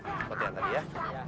seperti yang tadi ya